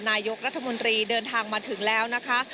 นายกรัฐมนตรีเดินทางมาถึงแล้วนะคะ